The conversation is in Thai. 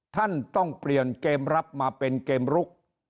ท่านต้องเปลี่ยนเกมรับมาเป็นเกมลุก